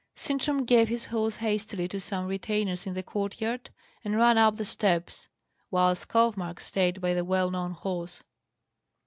Sintram gave his horse hastily to some retainers in the court yard, and ran up the steps, whilst Skovmark stayed by the well known horse.